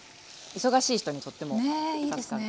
忙しい人にとっても助かる。